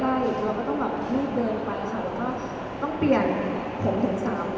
เราก็เรียบเดินไปต้องเปลี่ยนผมถึงสามรอบ